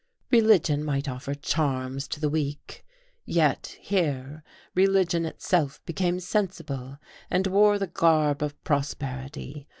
Religion might offer charms to the weak. Yet here religion itself became sensible, and wore the garb of prosperity.